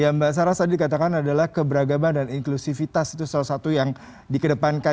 ya mbak sarah tadi katakan adalah keberagaman dan inklusivitas itu salah satu yang dikedepankan